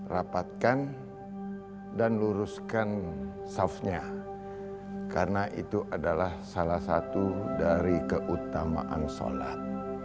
rapatkan dan luruskan safnya karena itu adalah salah satu dari keutamaan sholat